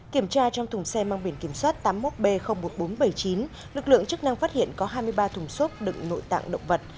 kiểm tra trong thùng xe mang biển kiểm soát tám mươi một b một nghìn bốn trăm bảy mươi chín lực lượng chức năng phát hiện có hai mươi ba thùng xốp đựng nội tạng động vật